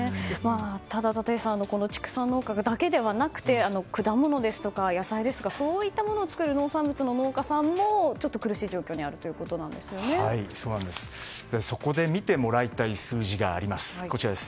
ただ、立石さん畜産農家だけではなくて果物ですとか野菜といったものを作る農産物の農家さんもちょっと苦しい状況にあるそこで見てもらいたい数字があります。